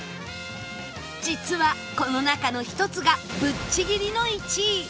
実はこの中の１つがぶっちぎりの１位